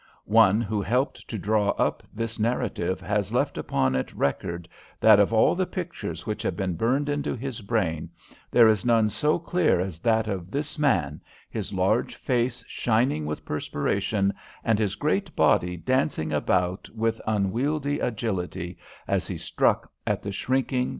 One who helped to draw up this narrative has left it upon record that of all the pictures which have been burned into his brain, there is none so clear as that of this man, his large face shining with perspiration, and his great body dancing about with unwieldy agility, as he struck at the shrinking, snarling savages.